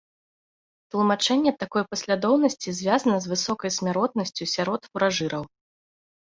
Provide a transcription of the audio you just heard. Тлумачэнне такой паслядоўнасці звязана з высокай смяротнасцю сярод фуражыраў.